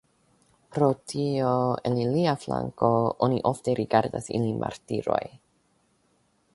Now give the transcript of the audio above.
Pro tio, el ilia flanko oni ofte rigardas ilin martiroj.